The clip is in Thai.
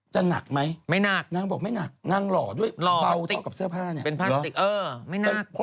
จะหนักไหมนางบอกไม่หนักนางหล่อด้วยเบาเท่ากับเสื้อผ้าเนี่ยเป็นพลาสติกเออไม่หนัก